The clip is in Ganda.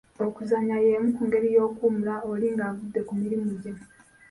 Okuzannya y’emu ku ngeri y’okuwummula oli ng’avudde ku mirimu gye.